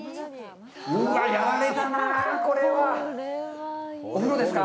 うわっ、やられたなぁ、これは！お風呂ですか？